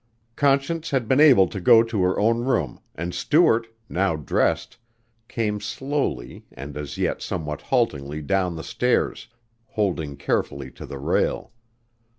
Conscience had been able to go to her own room, and Stuart, now dressed, came slowly and as yet somewhat haltingly down the stairs, holding carefully to the rail.